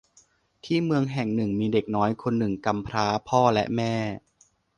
ที่เมืองแห่งหนึ่งมีเด็กน้อยคนหนึ่งกำพร้าพ่อและแม่